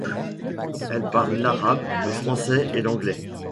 Elle parle l'arabe, le français et l'anglais.